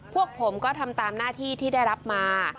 พวกผมก็ทำตามหน้าที่ที่ได้รับมา